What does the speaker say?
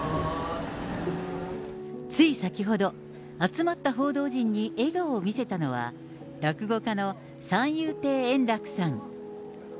つい先ほど、集まった報道陣に笑顔を見せたのは、落語家の三遊亭円楽さん。